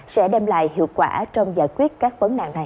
sẽ đem lại hiệu quả trong giải quyết các vấn nạn này